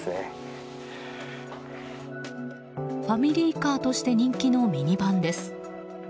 ファミリーカーとして人気のミニバンです。